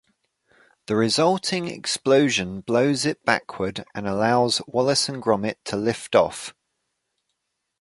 The resulting explosion blows it backward and allows Wallace and Gromit to lift off.